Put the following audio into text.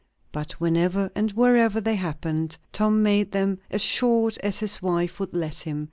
But whenever and wherever they happened, Tom made them as short as his wife would let him.